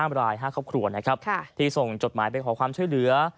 ๕ราย๕ครอบครัวนะครับที่ส่งจดหมายไปขอความช่วยเหลือ